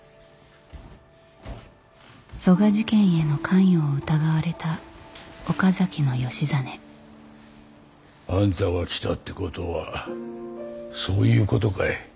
曽我事件への関与を疑われた岡崎義実。あんたが来たってことはそういうことかい。